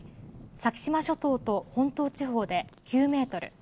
先島諸島と本島地方で９メートル